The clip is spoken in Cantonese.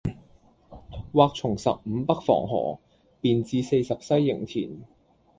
或從十五北防河，便至四十西營田。